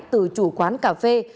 từ chủ quán cà phê